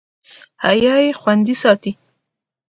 حیا یې خوندي ساتي.